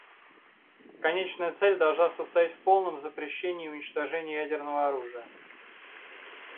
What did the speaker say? Конечная цель должна состоять в полном запрещении и уничтожении ядерного оружия.